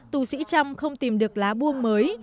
tù sĩ trăm không tìm được lá buông mới